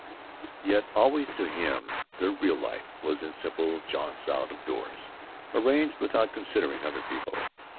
Yet always to him their real life was in simple jaunts out of doors, arranged without considering other people.